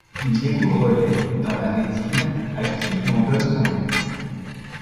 Il découvre les dans la rétine à qui l'on donne son nom.